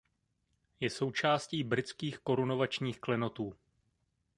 Je součástí Britských korunovačních klenotů.